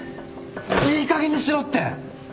いいかげんにしろって！